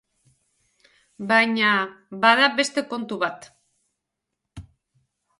Baina, bada beste kontu bat.